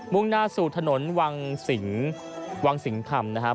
มุ่งหน้าสู่ถนนวังสิงธรรมนะครับ